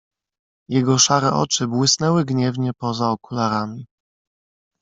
"Jego szare oczy błysnęły gniewnie poza okularami."